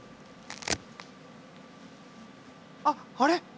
あっあれ？